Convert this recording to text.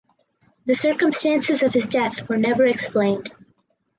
The circumstances of his death were never explained.